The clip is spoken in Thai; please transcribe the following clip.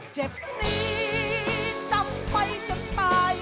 เจ็บนี้จะไปจะตาย